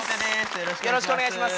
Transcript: よろしくお願いします。